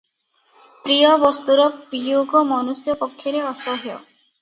ପ୍ରିୟ ବସ୍ତୁର ବିୟୋଗ ମନୁଷ୍ୟ ପକ୍ଷରେ ଅସହ୍ୟ ।